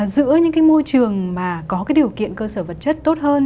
giữa những cái môi trường mà có cái điều kiện cơ sở vật chất tốt hơn